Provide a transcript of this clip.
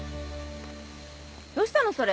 どうしたのそれ。